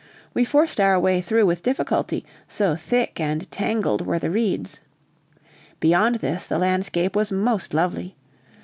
We forced our way through with difficulty, so thick and tangled were the reeds. Beyond this, the landscape was most lovely.